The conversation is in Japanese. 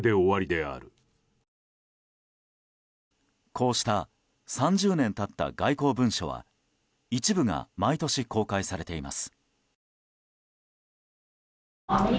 こうした３０年経った外交文書は一部が毎年公開されています。